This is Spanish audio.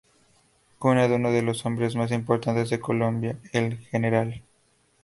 Cuna de uno de los hombres más importantes de Colombia, el Gral.